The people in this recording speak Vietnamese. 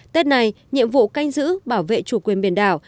tết này nhiệm vụ canh giữ bảo vệ chủ quyền biển đảo